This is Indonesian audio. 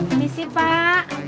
ini sih pak